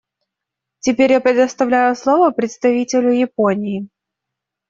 Теперь я предоставляю слово представителю Японии.